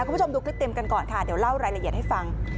คุณผู้ชมดูคลิปเต็มกันก่อนค่ะเดี๋ยวเล่ารายละเอียดให้ฟัง